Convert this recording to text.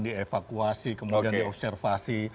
dievakuasi kemudian diobservasi